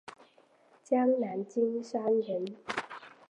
江南金山人。